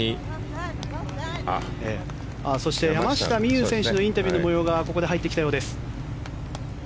そして山下美夢有選手のインタビューの模様がここで入ってきたようです。